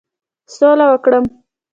سوله وکړم.